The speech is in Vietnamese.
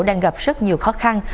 đang gặp rất nhiều khó khăn